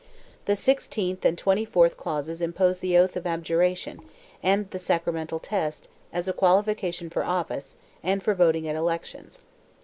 The sixteenth and twenty fourth clauses impose the oath of abjuration, and the sacramental test, as a qualification for office, and for voting at elections.